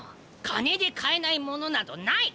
金で買えないものなどない！